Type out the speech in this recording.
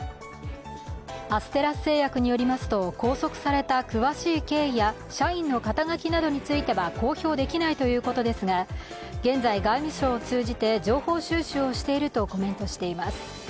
アステラス製薬によりますと、拘束された詳しい経緯や社員の肩書などについては公表できないということですが現在、外務省を通じて情報収集をしているとコメントしています。